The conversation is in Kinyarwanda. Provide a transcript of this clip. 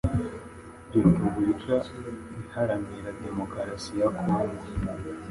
Repubulika Iharanira Demokarasi ya Congo